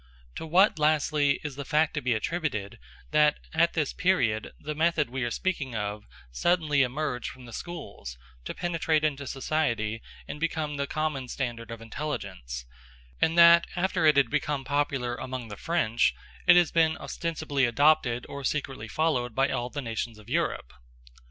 To what, lastly, is the fact to be attributed, that at this period the method we are speaking of suddenly emerged from the schools, to penetrate into society and become the common standard of intelligence; and that, after it had become popular among the French, it has been ostensibly adopted or secretly followed by all the nations of Europe?